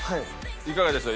いかがでしょう？